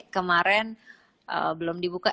kemaren belum dibuka